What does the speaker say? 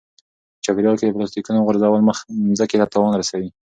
په چاپیریال کې د پلاستیکونو غورځول مځکې ته تاوان رسوي.